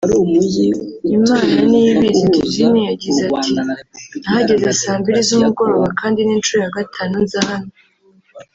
Imananiyibizi Divine yagize ati “Nahageze saa mbiri z’umugoroba kandi ni inshuro ya gatanu nza hano